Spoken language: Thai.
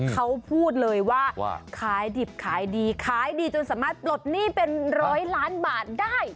เขาพูดเลยว่าขายดิบขายดีขายดีจนสามารถปลดหนี้เป็นร้อยล้านบาทได้